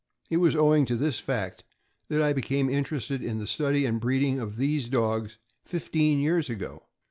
It was owing to this fact that I became interested in the study and breeding of these dogs fifteen years ago.